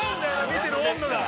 見てる温度が。